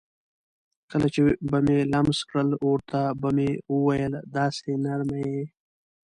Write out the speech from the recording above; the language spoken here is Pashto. کله چې به مې لمس کړل ورته به مې وویل: داسې نرمه یې.